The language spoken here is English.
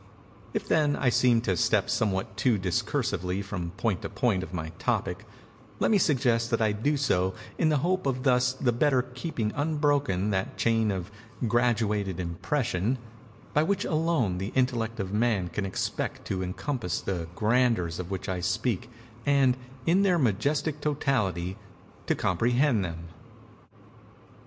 If then I seem to step somewhat too discursively from point to point of my topic, let me suggest that I do so in the hope of thus the better keeping unbroken that chain of graduated impression by which alone the intellect of Man can expect to encompass the grandeurs of which I speak, and, in their majestic totality, to comprehend them.